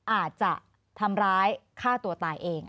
อาจจะทำร้ายฆ่าตัวตายเอง